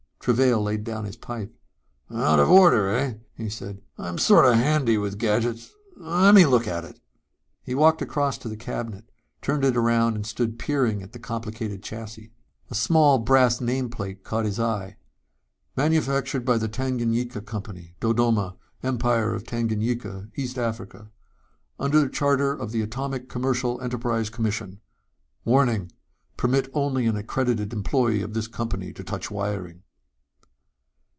Travail laid down his pipe. "Out of order, eh?" he said. "I'm sort of handy with gadgets. Let me take a look at it." He walked across to the cabinet, turned it around and stood peering at the complicated chassis. A small brass nameplate caught his eye: _Manufactured by the Tanganyika Company, Dodoma, Empire of Tanganyika, East Africa. Under charter of the Atomic Commercial Enterprise Commission. Warning: Permit only an accredited employee of this company to touch wiring.